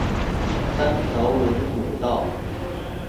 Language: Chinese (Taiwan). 三條崙古道